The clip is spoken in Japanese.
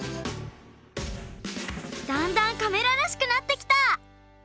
だんだんカメラらしくなってきた！